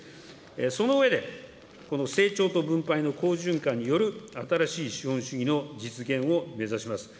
その上で、この成長と分配の好循環による新しい資本主義の実現を目指します。